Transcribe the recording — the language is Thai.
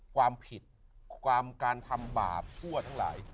ความผิดความการทำบาปชั่วทั้งหลาย